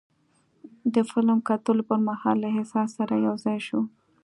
د فلم کتلو پر مهال له احساس سره یو ځای شو.